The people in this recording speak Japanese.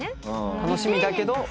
楽しみだけど。